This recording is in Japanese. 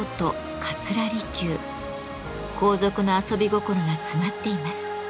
皇族の遊び心が詰まっています。